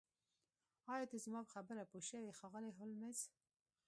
ایا ته زما په خبره پوه شوې ښاغلی هولمز